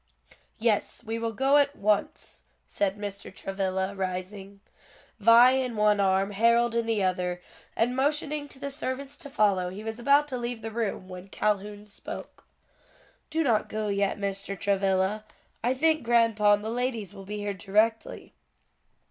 "Yes, we will go at once," said Mr. Travilla, rising, Vi in one arm Harold in the other; and motioning to the servants to follow, he was about to leave the room, when Calhoun spoke. "Do not go yet, Mr. Travilla: I think grandpa and the ladies will be here directly."